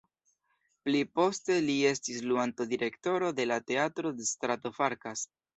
Pli poste li estis luanto-direktoro de la Teatro de strato Farkas.